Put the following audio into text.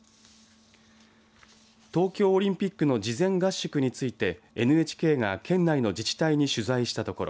東京オリンピックの事前合宿についてＮＨＫが県内の自治体に取材したところ